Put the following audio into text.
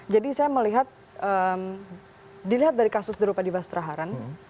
jadi saya melihat dilihat dari kasus drupadipas traharan